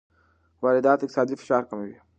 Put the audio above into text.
واردات اقتصادي فشار کموي.